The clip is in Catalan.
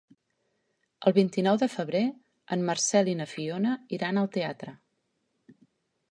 El vint-i-nou de febrer en Marcel i na Fiona iran al teatre.